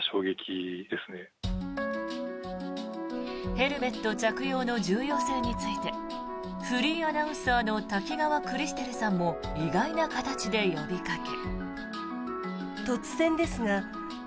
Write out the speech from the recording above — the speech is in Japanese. ヘルメット着用の重要性についてフリーアナウンサーの滝川クリステルさんも意外な形で呼びかけ。